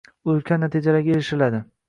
ulkan natijalarga erishiladi.